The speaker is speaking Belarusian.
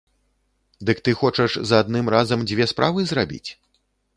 Дык ты хочаш за адным разам дзве справы зрабіць?